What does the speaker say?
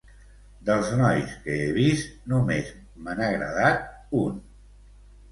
Dels nois que he vist, només me n'ha agradat un.